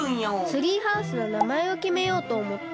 ツリーハウスのなまえをきめようとおもって。